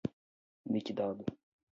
liquidado